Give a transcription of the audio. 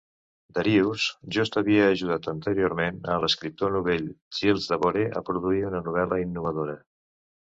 Darius Just havia ajudat anteriorment a l'escriptor novell Giles Devore a produir una novel·la innovadora.